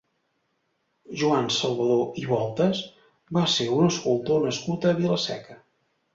Joan Salvadó i Voltas va ser un escultor nascut a Vila-seca.